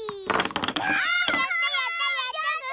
あやったやったやったぐ！